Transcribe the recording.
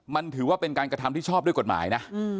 มันถือว่าเป็นการกระทำที่ชอบด้วยกฎหมายนะ